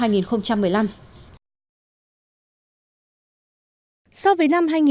giảm bảy so với năm hai nghìn một mươi năm